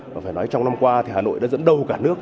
và phải nói trong năm qua thì hà nội đã dẫn đầu cả nước